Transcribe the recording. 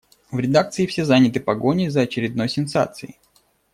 В редакции все заняты погоней за очередной сенсацией.